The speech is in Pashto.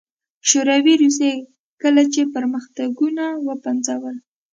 شوروي روسيې کله چې پرمختګونه وپنځول